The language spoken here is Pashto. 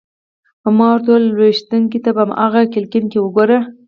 ما ورته وویل: لویشتينکې! ته په هغه کړکۍ کې وګوره.